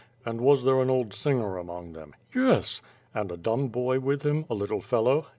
"And was there an old singer among them?" "Yes." "And a dumb boy with him, a little fellow?"